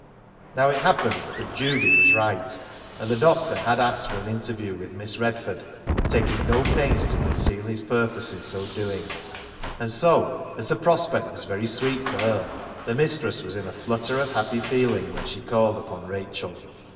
Now it happened that Judy was right, and the doctor had asked for an interview with Miss Redford, taking no pains to conceal his purpose in so doing, and so, as the prospect was very sweet to her, the mistress was in a flutter of happy feeling when she called upon Rachel.